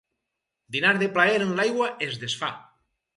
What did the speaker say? Dinar de plaer en l'aigua es desfà.